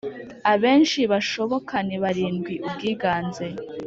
abenshi bashoboka ni barindwi Ubwiganze